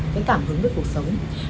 cái cảm hứng về cuộc sống